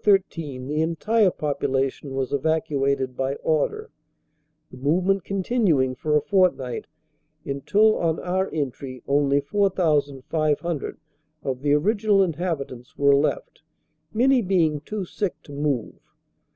13 the entire population was evacuated by order, the movement continuing for a fortnight until on our entry only 4,500 of the original inhabitants were left, many being too sick to move.